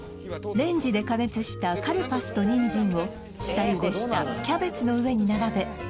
レンジで加熱したカルパスとニンジンを下ゆでしたキャベツの上に並べ